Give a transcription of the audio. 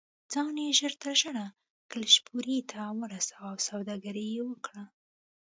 ځان یې ژر تر ژره کلشپورې ته ورساوه او سوداګري یې وکړه.